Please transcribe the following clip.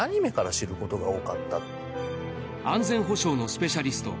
安全保障のスペシャリスト